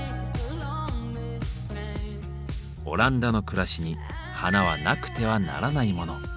オランダの暮らしに花はなくてはならないモノ。